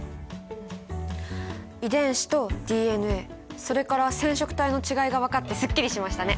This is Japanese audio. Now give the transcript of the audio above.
遺伝子とＤＮＡそれから染色体の違いが分かってすっきりしましたね。